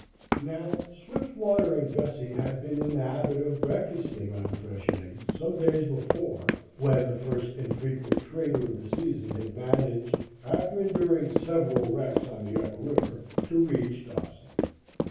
Now, Swiftwater and Gussie had been in the habit of breakfasting on fresh eggs some days before, when the first infrequent trader of the season had managed, after enduring several wrecks on the upper river, to reach Dawson.